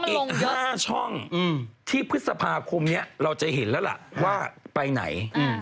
อีก๕ช่องที่พฤษภาคมนี้เราจะเห็นแล้วล่ะว่าไปไหน